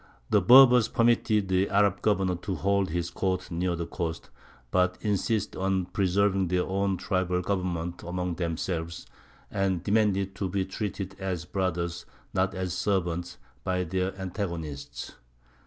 The Berbers permitted the Arab governor to hold his court near the coast, but insisted on preserving their own tribal government among themselves, and demanded to be treated as brothers, not as servants, by their antagonists.